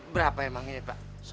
berapa emang ini pak